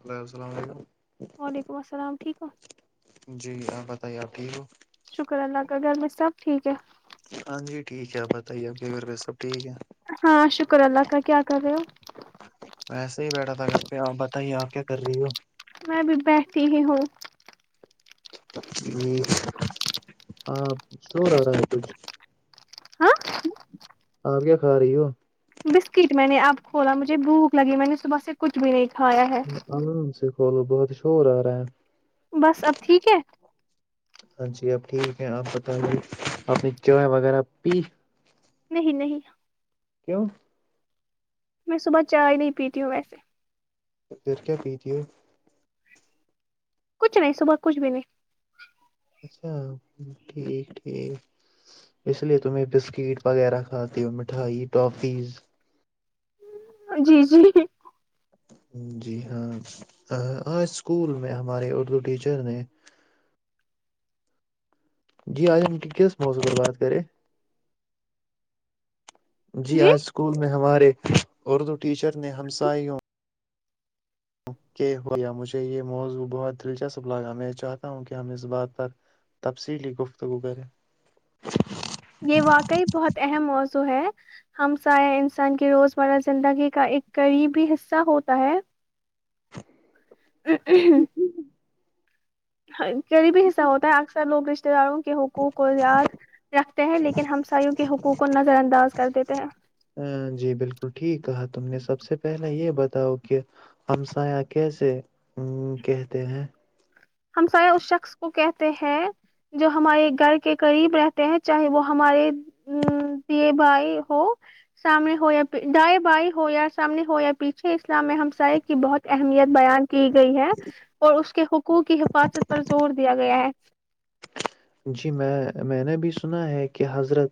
Hello السلام علیکم وعلیکم السلام ٹھیک ہے جی آپ بتائیے آپ ٹھیک ہو شکر اللہ کا گھر میں سب ٹھیک ہے ہاں جی ٹھیک ہے آپ بتائیے آپ کے گھر سب ٹھیک ہے ہاں شکر اللہ کا کیا کر رہے ہو ویسے ہی بیٹھا پہ آپ بتائیے آپ کیا کر رہی ہو میں بھی بیٹھتی ہی ہوں ہاں ہو رہا ہے کھ ہاں آپ کیا کھا رہی ہو بسکٹ میں نے آپ کھولا مجھے بھوک لگی میں نے صبح سے کچھ بھی نہیں کھایا ہے آرام سے فول بہت شور آ رہا ہے بس اب ٹھیک ہے اں جی آب ٹھیک ہے آپ بت دیں آپ نے چائے وغیرہ پی نہیں نہیں پکوں میں صبح چائے نہیں پیتی ہوں ویسے پھر کیا پیجے؟ کچھ نہیں صبح کچھ بھی نہیں اچھا ٹھیک ٹھیک اس لیے تمیں بسکٹ وغیرہ کھاتی ہو مٹھائی ٹافیز جی جی جی ہاں اسکول میں ہمارے اردو ٹیچر نے جی آج ان کی کس موضوع پر بات کرے جی آج اسکول میں ہمارے اور دو ٹیچر نے ہمسائیوں کہ ہو یا مجھے یہ موضوع بہت دلچسپ لگا میں چاہتا ہوں کہ ہم اس بات پر تفصیلی گفتگو کریں یہ واقعی بہت اہم موضوع ہے ہمسایہ انسان کی روزمرہ زندگی کا ایک قریبی حصہ ہوتا ہے [inaudible] غریبی حصہ ہوتا ہے اکثر لوگ رشتتے داروں کے حقوق کو یاد رکھتے ہیں لیکن ہمسایوں کے حقوق کو نظر انداز کر دیتے ہیں جی بالکل ٹھیک کہا تم نے سب سے پہلے یہ بتاؤ کہ ہم سایہ کیسے کہتے ہیں ہمسائے اس شخص کو کہتے ہیں جو ہمارے گھر کے قریب رہتے ہیں چاہے وہ ہمارے دیے بھائی ہو سامنے ہو یا دائے بھائی ہو یا سامنے ہو یا پیچھے اسلام میں ہمسائے کی بہت اہمیت بیان کی گئی ہے اور اس کہ حقو کی حفاظت پر زور دیا گیا ہے جی میں میں نے بھی سنا ہے کہ حضرت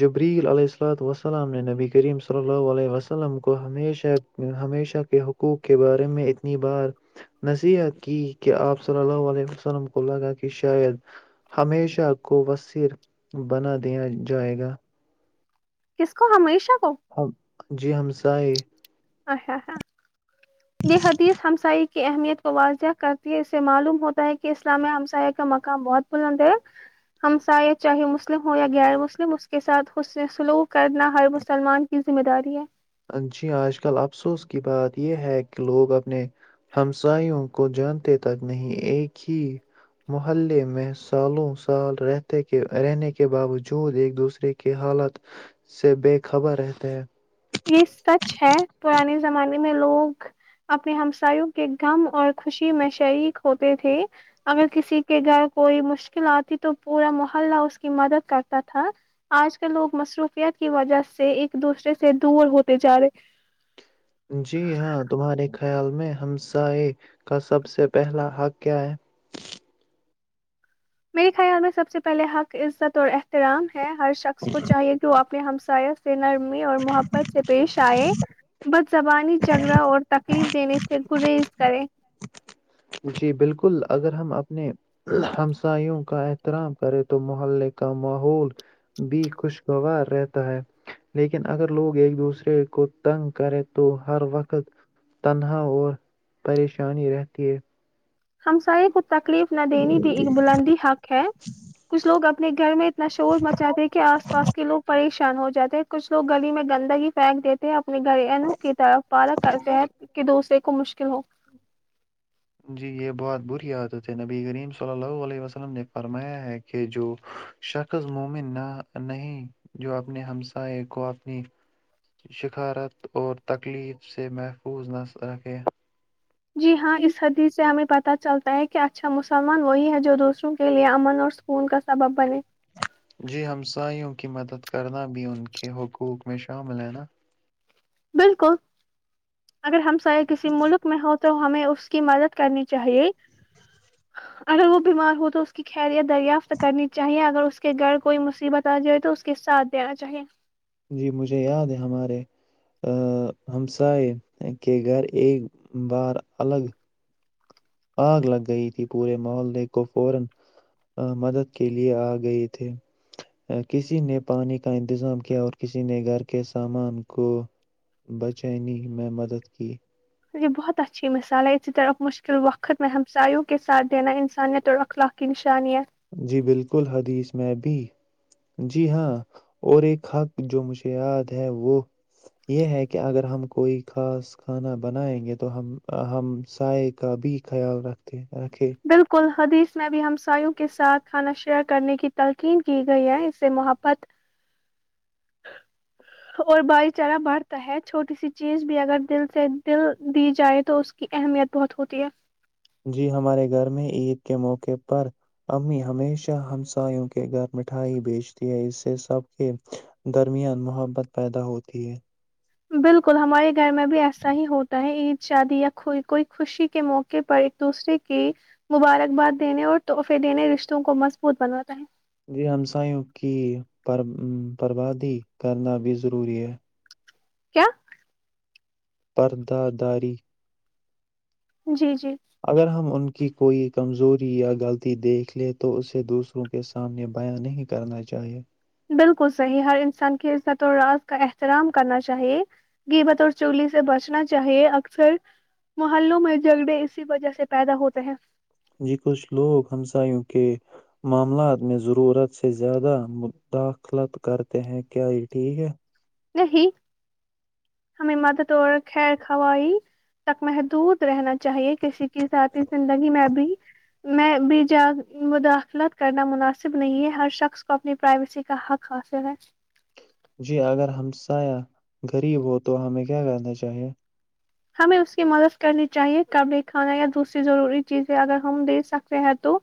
جبریل علیہ اللا وسللم نے نبی کریم صلی اللہ علیہ وسلم کو ہمیشہ ہمیشہ کے حقوق کے بارے میں اتنی بار نصیحت کی کہ آپ صلی اللہ علیہ وسلم کو لگا کہ شاید ہمیشہ کو وثیر بنا دیا جائے گا کو ہمیشہ کو [inaudible] جی ہمسائے اچا یہ حدیث ہمسا کی اہمیت کو واضح کرتی ہے اس سے معلوم ہوتا ہے کہ اسلامیہ ہمسایہ کا مقام بہت بلند ہے ہمسایہ چاہے مسلم ہو یا غیر مسلم اس کے ساتھ سلوک کرنا ہر مسلمان کی ذمہ داری ہے جی آج کل افسوس کی بات یہ ہے کہ لوگ اپنے ہمساوں کو جان تک نہیں ایک ہی محلے میں سالوں سال رہتے رہنے کے باوجود ایک دوسرے کے حالات سے بے خبر رہتے ہیں یہ سچ ہے پرانے زمانے میں لوگ اپنے ہمسایوں کے غم اور خوشی میں شریک ہوتے تھے اگر کسی کے گھر کوئی مشکل آتی تو پورا محلہ اس کی مدد کرتا تھا آج کل لوگ مصروفیت کی وجہ سے ایک دوسرے سے دور ہوتے جا رہے ہیں جی ہاں تمہارے خیال میں ہمسائے کا سب سے پہلا حق کیا ہے میرے خیال میں سب سے پہلے حق عزت اور احترام ہے ہر شخص کو چاہیے کہ آپ ہمساس سے نرمی اور محبت سے پیش آئے بس زبانی جھگڑا اور تکلیف دینے سے گریز کریں جی بالکل اگر ہم اپنے ہمساوں کا احترام کریں تو محلے کا ماحول بھی خوشگوار رہتا ہے لیکن اگر لوگ ایک دوسرے کو تنگ کریں تو ہر وقت تنہا اور پریشانی رہتی ہے ہمسائے ک تکلیف نہ دینے بھی ایک بلندی حق ہے کچھ لوگ اپنے گھر میں شور مچاتے کہ آس پاس کے لوگ پریش ان ہو جاتے ہیں کچھ لو گلی میں گندگی پھینک دیتے ہیں ا اپنے گرینوں کی طرف پارا کرتے ہیں کہ دوسرے مشکل ہو [unintelligible] جی ہاں اس حدیث سے ہمیں پتہ چلتا ہے کہ اچھا مسلمان وہی ہے جو دوسروں کے لیئے امن اور سکون کا سبب بنے جی ہمسایوں کی مدد کرنا بھی ان کے حقوق میں شامل ہے نا بالکل اگر ہم اہ کسی ملک میں ہوتا تو ہمیں اس کی مدد کرنی چاہیے اگر وہ بیمار ہو تو اس کی خیرت دریافت کرنی چاہیے اگر اس کے گھر کوئی مصیبت آ جائے تو اس کے ساتھ دینا چاہیے جی مجھے یاد ہے ہمارے ہمسائے کے گھر ایک بار الگ [unintelligible] یہ بہت اچھی مثال ہے اسی طرح مشکل وقت میں ہمسایوں کے ساتھ دینا انسانیت اور اخلاقی نشانیت جی بالکل حدیث میں بھی جی ہاں اور ایک حق جو مجھے یاد ہے وہ یہ ہے کہ اگر ہم کوئی خاص کھانا بنائیں گے تو ہم ہم سائے کا بھی خیال رکھتے ہیں رکھے بالکل حدیث میں بھی ہمساوں کے ساتھ کھانا شیئر کرنے کی تلقین کی گئی ہے اس سے محبت اور بھائی چارہ بڑھتا ہے چھوٹی سی چیز بھی اگر دل سے دل دی جائے تو اس کی اہمیت بہت ہوتی ہے جی ہمارے گھر میں عید کے موقعے پر امی ہمیشہ ہمسایوں کے گھر مٹھائی بیچتی ہے اس سے سب کے درمیان محبت پیدا ہوتی ہے بالکل ہمارے گھر میں بھی ایسا ہی ہوتا ہے عید شادی یائی کوئی خوشی کے موقع پر ایک دوسرے کی مبارکباد دینے اور تحفے دینے رشتوں کو مضبوط بناتا ہے یہ ہمساوں کی بربادی کرنا بھی ضروری ہے کیا [unintelligible] پرداداری [unintelligible] جی جی [unintelligible] اگر ہم ان [unintelligible] کہ کوئی کمزوری یا غلطی دیکھ لے تو اسے دوسروں کے سامنے بیاں نہیں کرنا چاہیے بالکل صحیح ہر انسان کی عزت اور راز کا احترام کرنا چاہیے گبت اور چولی سے بچنا چاہیے اکثر محلوں میں جگڑے اسی وجہ سے پیدا ہوتے ہیں جی کچھ لوگ ہممسایوں کے معاملات میں ضرورت سے زیادہ مداخلت کرتے ہیں کیا یہ ٹھیک ہے نہیں ہمیں مد طور خیر خائی تک محدود رہنا چاہیے کسی کے ساتھ ہی زندگی میں بھی میں بھی جا مداخلت کرنا مناسب نہیں ہے ہر شخص کو اپنی پرائیویسی کا حق حاصل ہے جی اگر ہم سا غریب ہو تو ہمیں کیا کرنا چاہیے ہمیں اس کی مدد کرنی چاہیے قبل کھانا یا دوسری ضروری چیزیں اگر ہم دے سکتے ہیں تو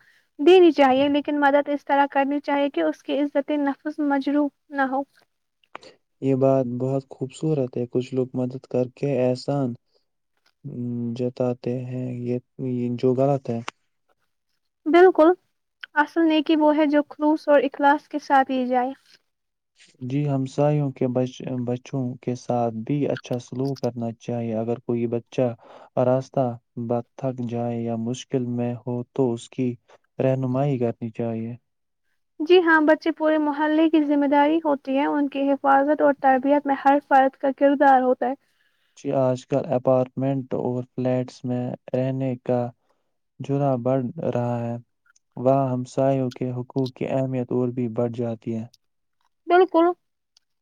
دینی چاہیے لیکن مدد اس طرح کرنی چاہیے کہ اس کی عزت نفس مجروح نہ ہو یہ بات بہت خوبصورت ہے کچھ لوگ مدد کر کے احسان جتاتے ہیں جو غلط ہے بالکل اصل نیکی وہ ہے جو خلوص اور اخلاص کے ساتھ یہ جائے جی ہمساوں کے بچوں کے ساتھ بھی اچھا سلوک کرنا چاہیے اگر کوئی بچہ راستہ ب تھک جائے یا مشکل میں ہو تو اس کی رہنمائی کرنی چاہیے جی ہاں بچے پورے محلے کی ذمہ داری ہوتی ہے ان کے حفاظت اور تربیت میں ہر کفیت کا کردار ہوتا ہے جی آج کل اپارٹمنٹ اور فلیٹس میں رہنے کا جرا بڑھ رہا ہے وہاں ہمساوں کے حقوق کی اہمیت اور بھی بڑھ جاتی ہے بالکل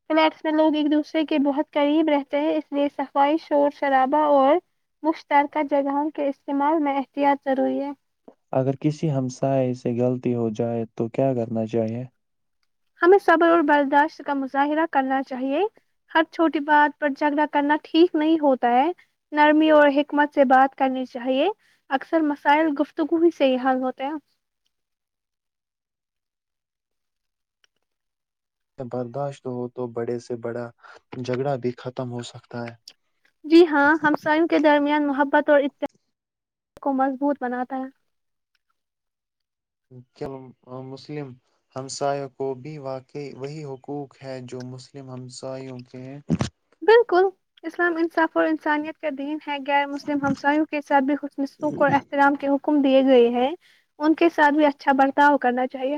فلیٹس میں لوگ ایک دوسرے کے بہت قریب رہتے ہیں اس لیے صفائی شور شرابہ اور مشترکہ جگہوں کے استعمال میں احتیاط ضروری ہے اگر کسی ہمسائے سے غلطی ہو جائے تو کیا کرنا چاہیے ہمیں صبر اور برداشت کا مظاہرہ کرنا چاہیے ہر چھوٹی بات پر جھگڑا کرنا ٹھیک نہیں ہوتا ہے نرمی اور حکمت سے بات کرنی چاہیے اکثر مسائل گفتگو ہی سے ہی حل ہوتے ہیں برداشت ہو تو بڑے سے بڑا جھگڑا بھی ختم ہو سکتا ہے جی ہاں ہمسایوں کے درمیان محبت اور اتاد کو مضبوط بناتا ہے ک مسلم ہمسایوں کو بھی واقعی وہی حقوق ہے جو مسلم ہمسایوں کے بالکل اسلام انصاف اور انسانیت کا دین غیر مسلم ہمساوں کے ساتھ بھی خشنصوک اور احترام کے اوپر حم دیے گئے ہیں ان کے ساتھ بھی اچھا برتاؤ کرنا چاہیے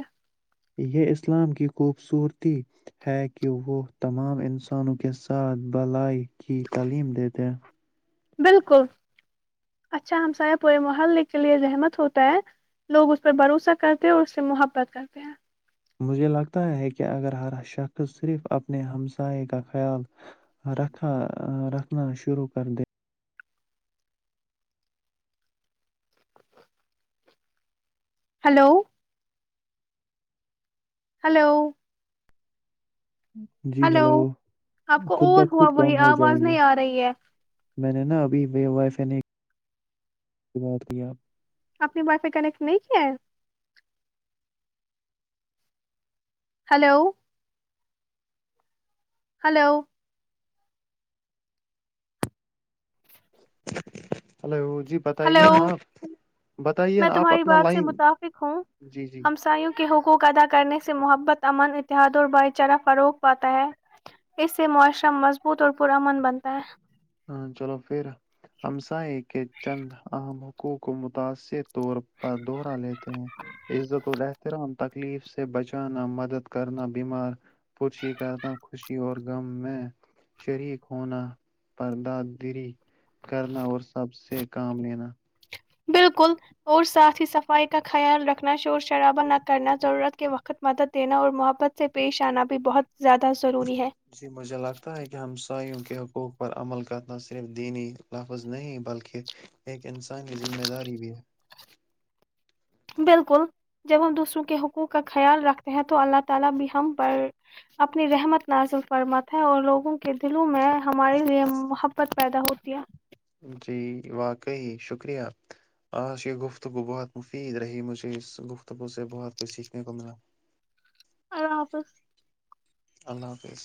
یہ اسلام کی خوبصورتی ہے کہ وہ تمام انسانوں کے ساتھ بلائی کی تعلیم دیتے بالکل اچھا ہمساائے پورے محلے کے لیے رحمت ہوتا ہے لوگ اس پہ بھروسہ کرتے ہیں اور اس سے محبت کرتے ہیں مجھے لگتا ہے کہ اگر ہر شخص صرف اپنے ہمسائے کا خیال رکھا رکھنا شروع کر دے ہلو [unintelligible] ہلو [unintelligible] جی ہلو ہیلو آپ کو خود اور ہوا بخود وہی کام ہو جائیں آواز گے نہیں آ رہی ہے میں نے نا ابھی وی وائف ہے نہیں یہ بات کی آپ آپنی وائی فائی کانیکٹ نہیں کیا ہلو ہلو ہلو جی ہلو بتائیے نا آپ بتائیے میں نا آپ تمہاری اپنا بات سے لائن جی جی کو ادا کرنے سے محبت امن اتحاد اور بھائی چارہ فروغ پاتا ہے اس سے معاشرہ مضبوط اور پرامن بنتا ہے ہاں چلو پھر ہممسا ہے کہ چند اہم حقوق کو متاثر طور پر دہرہ لیتے ہیں عزت و احترام تکلیف سے بچانا مدد کرنا بیمار پش کرنا خوشی اور غم میں شریک ہونا پردادری کرنا اور سب سے کام لینا بالکل اور ساتھ ہی صفائی کا خیال رکھنا شور شرابا نہ کرنا ضرورت کے وقت مدد دینا اور محبت سے پیش آنا بھی بہت زیادہ ضروری ہے جی مجھے لگتا ہے کہ ہمسایوں کے حقوق پر عمل کا نہ صرف دینی لفظ نہیں بلکہ ایک انسانی کی ذمہ داری بھی ہے [unintelligible] کے دلوں میں ہمارے لیے محبت پیدا ہوتی ہے جی واقعی شکریہ آج یہ گفتگو بہت مفید رہی مجھے اس گفتگو سے بہت کچھ سیکھنے کو ملا آر آپ [unintelligible] اللہ حافظ